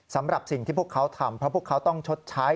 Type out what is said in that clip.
สำหรับสิ่งที่พวกเขาทำเพราะพวกเขาต้องชดใช้